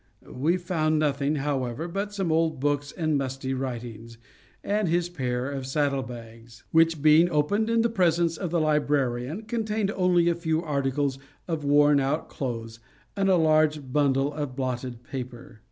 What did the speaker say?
We found nothing, however, but some old books and musty writings, and his pair of saddle bags; which, being opened in the presence of the librarian, contained only a few articles of worn out clothes and a large bundle of blotted paper.